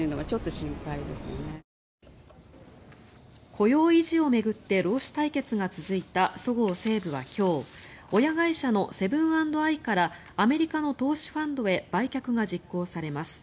雇用維持を巡って労使対決が続いたそごう・西武は今日親会社のセブン＆アイからアメリカの投資ファンドへ売却が実行されます。